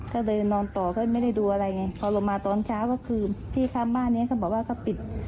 ก็เดินนอนต่อก็ไม่ได้ดูอะไรไงพอลงมาตอนเช้าก็คือพี่คำบ้านนี้เขาบอกว่าเขาปิด